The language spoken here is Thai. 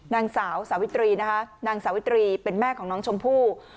นางสาวสาวิตรีนะคะนางสาวิตรีเป็นแม่ของน้องชมพู่